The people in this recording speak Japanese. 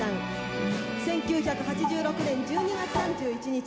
１９８６年１２月３１日